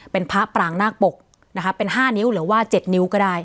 เป็นพระปรางนาคปกนะคะเป็น๕นิ้วหรือว่า๗นิ้วก็ได้